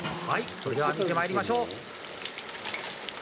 それでは見てまいりましょう！